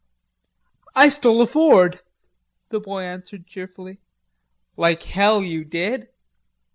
"I stole a Ford," the boy answered cheerfully. "Like hell you did!"